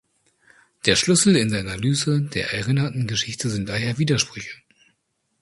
Der Schlüssel in der Analyse der erinnerten Geschichte sind daher Widersprüche.